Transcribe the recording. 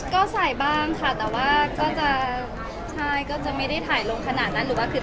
ก็ใส่บ้างค่ะแต่ไม่ได้ถ่ายลงขนาดนั้น